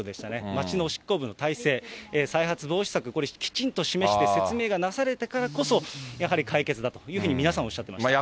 町の執行部の体制、再発防止策、これ、きちんと示して説明がなされてからこそ、やはり解決だというふうに皆さんおっしゃっていました。